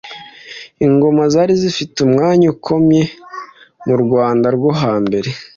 Ingoma zari zifite umwanya ukomye mu Rwanda rwo ha mbere.